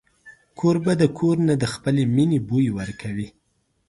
کوربه د کور نه د خپلې مینې بوی ورکوي.